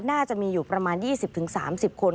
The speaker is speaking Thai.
น่าจะมีอยู่ประมาณ๒๐๓๐คน